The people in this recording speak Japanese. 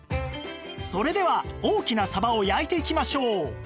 それでは大きなサバを焼いていきましょう